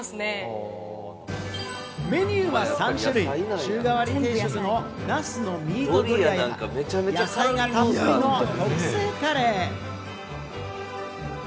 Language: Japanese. メニューは３種類、週替わり定食のなすのミートドリアや、野菜がたっぷりの特製カレー。